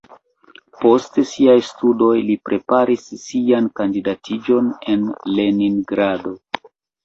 Post siaj studoj li preparis sian kandidatiĝon en Leningrado.